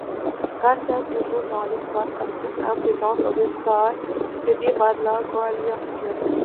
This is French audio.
Carter, toujours dans l'espace, assiste impuissante au désastre subi par la coalition.